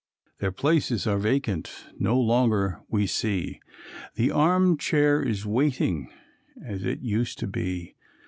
Their places are vacant, no longer we see The armchair in waiting, as it used to be.